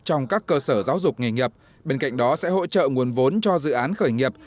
trong các cơ sở giáo dục nghề nghiệp bên cạnh đó sẽ hỗ trợ nguồn vốn cho dự án khởi nghiệp